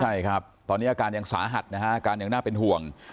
ใช่ครับตอนนี้อาการยังสาหัสนะฮะอาการยังน่าเป็นห่วง